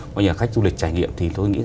có nhà khách du lịch trải nghiệm thì tôi nghĩ